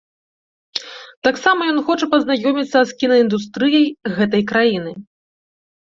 Таксама ён хоча пазнаёміцца з кінаіндустрыяй гэтай краіны.